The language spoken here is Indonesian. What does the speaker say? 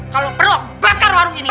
kalau perlu bakar warung ini